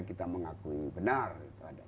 kita mengakui benar